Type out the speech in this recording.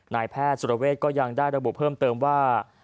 นายแพทย์สุรเวทก็ยังได้ระบุเพิ่มเติมว่า